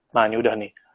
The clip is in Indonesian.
nah ini udah nih